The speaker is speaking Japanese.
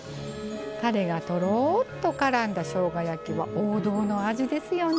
たれがとろっとからんだしょうが焼きは王道の味ですよね。